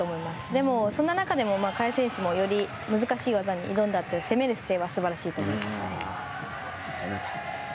でも、そんな中でも、萱選手も、より難しい技に挑んだという、攻めの姿勢はすばらしいと思います。